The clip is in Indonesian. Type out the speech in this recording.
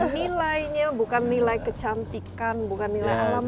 nilainya bukan nilai kecantikan bukan nilai alam